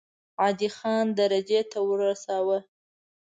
عادي خان درجې ته ورساوه.